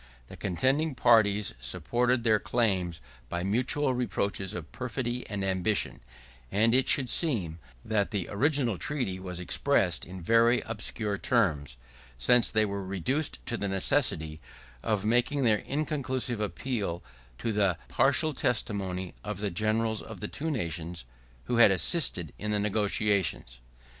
The contending parties supported their claims by mutual reproaches of perfidy and ambition; and it should seem, that the original treaty was expressed in very obscure terms, since they were reduced to the necessity of making their inconclusive appeal to the partial testimony of the generals of the two nations, who had assisted at the negotiations.